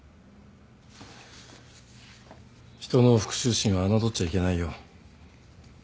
人の復讐心を侮っちゃいけないよ。